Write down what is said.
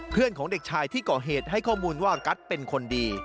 ของเด็กชายที่ก่อเหตุให้ข้อมูลว่ากัสเป็นคนดี